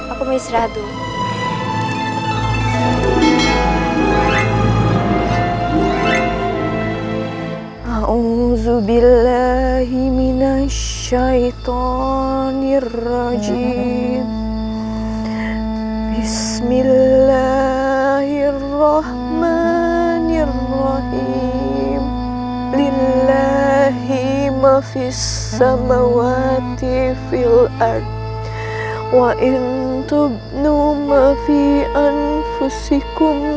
aku mau istirahat dulu